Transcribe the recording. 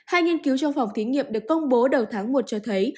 hai nghiên cứu trong phòng thí nghiệm được công bố đầu tháng một cho thấy